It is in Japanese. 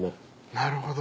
なるほど。